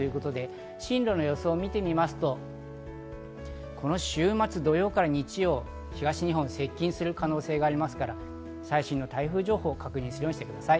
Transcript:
進路の予想を見てみますと、この週末、土曜から日曜、東日本に接近する可能性がありますから、最新の台風情報を確認するようにしてください。